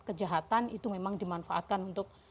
kejahatan itu memang dimanfaatkan untuk